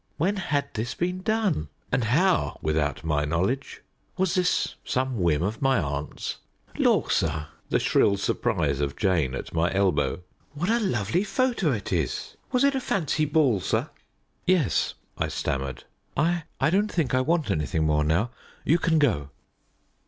When had this been done? And how, without my knowledge? Was this some whim of my aunt's? "Lor', sir!" the shrill surprise of Jane at my elbow; "what a lovely photo it is! Was it a fancy ball, sir?" "Yes," I stammered. "I I don't think I want anything more now. You can go."